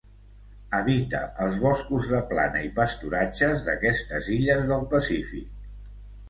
Habita els boscos de plana i pasturatges d'aquestes illes del Pacífic.